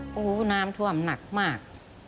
โอ้โหน้ำท่วมหนักมาก